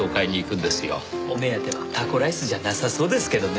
お目当てはタコライスじゃなさそうですけどね。